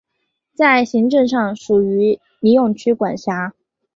在行政上属于尼永区管辖。